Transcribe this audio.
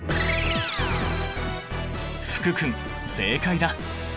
福君正解だ！